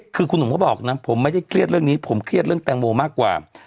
คือคุณหนุ่มก็บอกนะผมไม่ได้เครียดเรื่องนี้ผมเครียดเรื่องแตงโมมากกว่า